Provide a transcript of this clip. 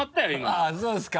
あぁそうですか？